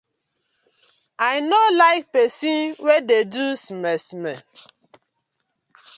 I no like pesin we dey so smer smer.